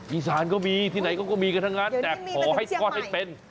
อีสานก็มีที่ไหนเขาก็มีกันทั้งนั้นแต่ขอให้ทอดให้เป็น